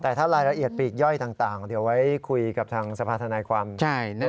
แต่ถ้ารายละเอียดปีกย่อยต่างเดี๋ยวไว้คุยกับทางสภาษณาความโดยตรงเลยก็ได้